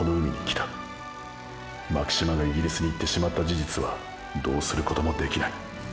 巻島がイギリスに行ってしまった事実はどうすることもできない。